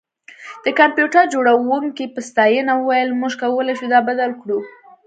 د کمپیوټر جوړونکي په ستاینه وویل موږ کولی شو دا بدل کړو